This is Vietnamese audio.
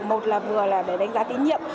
một là vừa là để đánh giá tín nhiệm